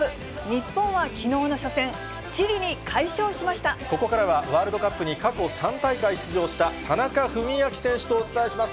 日本はきのうの初戦、ここからはワールドカップに過去３大会出場した、田中史朗選手とお伝えします。